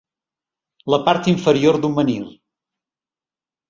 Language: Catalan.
La part inferior d'un menhir.